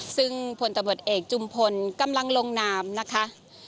ซึ่งพลตำรวจเอกจุมพลกำลังลงนามนะคะ